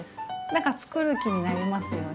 だからつくる気になりますよね。